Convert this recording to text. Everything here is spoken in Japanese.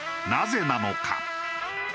なぜなのか？